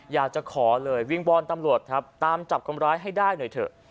อยากจะขอเลยวิงวอนตำรวจครับตามจับคนร้ายให้ได้หน่อยเถอะ